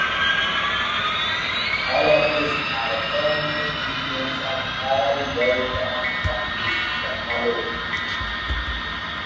All of this had a permanent influence on all Worldcon publications that followed.